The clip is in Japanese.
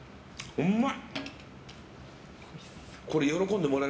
うまい！